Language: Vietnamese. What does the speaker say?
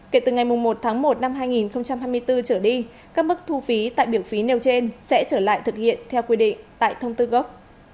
kể từ ngày một tháng một năm hai nghìn hai mươi bốn trở đi các mức thu phí tại biểu phí nêu trên sẽ trở lại thực hiện theo quy định tại thông tư gốc